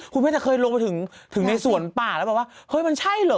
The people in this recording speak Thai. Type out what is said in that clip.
คุณแม่จะเคยลงไปถึงในสวนป่าแล้วบอกว่าเฮ้ยมันใช่เหรอ